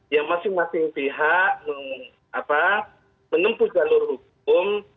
ya masing masing pihak menempuh jalur hukum